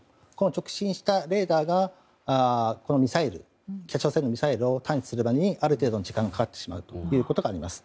直進したレーダーがこの北朝鮮のミサイルを感知するまでにある程度の時間がかかってしまうということがあります。